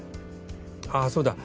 あそうだ。